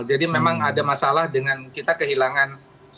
jadi memang ada masalah dengan kita kehilangan satu ratus empat puluh lima